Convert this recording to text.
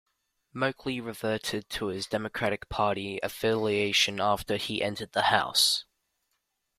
Moakley reverted to his Democratic party affiliation after he entered the House.